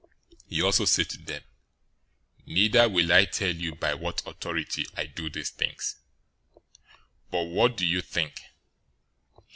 He also said to them, "Neither will I tell you by what authority I do these things. 021:028 But what do you think?